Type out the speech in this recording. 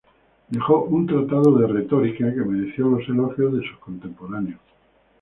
Dejó un "Tratado de retórica", que mereció los elogios de sus contemporáneos.